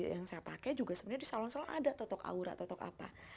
metode yang saya pakai juga sebenarnya disolong solong ada totok aura totok apa